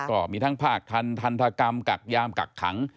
ก็มีทั้งภาคทันทันทกรรมกักยามกักขัง